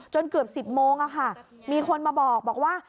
เกือบ๑๐โมงมีคนมาบอกว่า